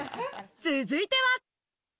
続いては。